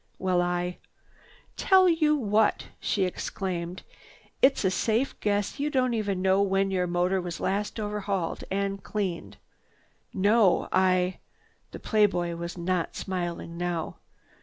"Well, I—" "Tell you what!" she exclaimed. "It's a safe guess you don't even know when your motor was last overhauled and cleaned." "No, I—" the play boy was not smiling now.